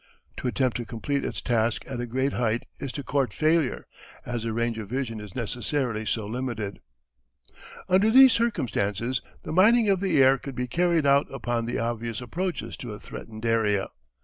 To attempt to complete its task at a great height is to court failure, as the range of vision is necessarily so limited. Under these circumstances the mining of the air could be carried out upon the obvious approaches to a threatened area.